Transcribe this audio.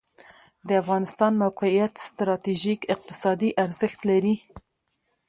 د افغانستان موقعیت ستراتیژیک اقتصادي ارزښت لري